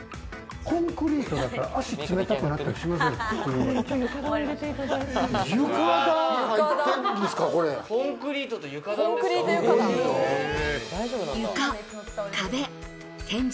コンクリートだったら足冷たくなったりしません？